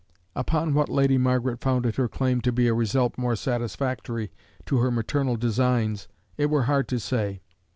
Upon what Lady Margaret founded her claim to a result more satisfactory to her maternal designs, it were hard to say.